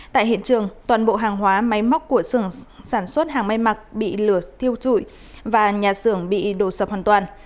tại hiện trường toàn bộ hàng hóa máy móc của sưởng sản xuất hàng may mặc bị lửa thiêu trụi và nhà xưởng bị đổ sập hoàn toàn